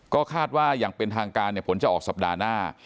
ก็คาดว่าอย่างเป็นทางการผลจะออกสัปดาห์หน้า